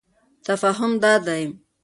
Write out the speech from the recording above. تفاهم دادی: